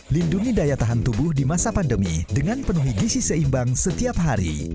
lindungi daya tahan tubuh di masa pandemi dengan penuhi gisi seimbang setiap hari